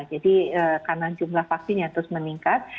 jadi karena jumlah vaksinnya terus meningkat